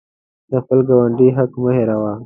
د خپل ګاونډي حق مه هیروه.